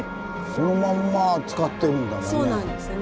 そのまんま使ってるんだもんね。